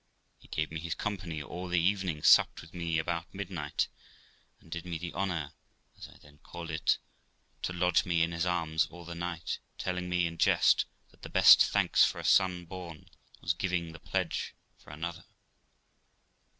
He gave me his company all the evening, supped with me about midnight, and did me the honour, as I then called it, to lodge me in his arms all the night, telling me, in jest, that the best thanks for a son born was giving the pledge for another.